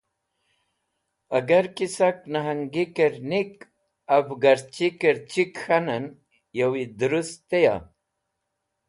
Agar ki sak Nahnagikẽr “nik” , Avgarchikẽr “chik” k̃hanẽn yawi drust teya?